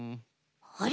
あれ？